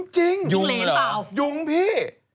จริงยุงพี่